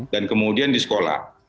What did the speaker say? dan kemudian di sekolah